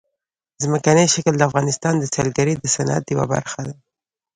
ځمکنی شکل د افغانستان د سیلګرۍ د صنعت یوه برخه ده.